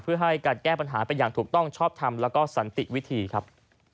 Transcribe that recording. เพื่อให้การแก้ปัญหาไปอย่างถูกต้องชอบทำแล้วก็สันติวิธีครับ